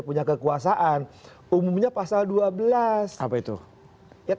punya kekuasaan umumnya pasal dua belas tahap para pegawai kampung ini mengatakan pasal yang dibuat di desa masa